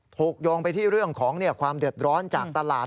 โยงไปที่เรื่องของความเดือดร้อนจากตลาด